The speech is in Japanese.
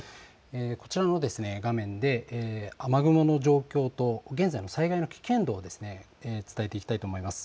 こちらの画面で雨雲の状況と現在の災害の危険度、伝えていきたいと思います。